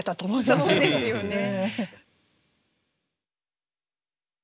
そうですよね。